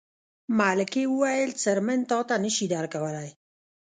ملکې وویل څرمن تاته نه شي درکولی.